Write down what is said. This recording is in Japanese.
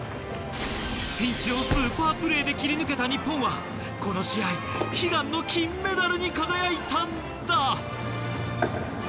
ピンチをスーパープレーで切り抜けた日本はこの試合悲願の金メダルに輝いたんだ！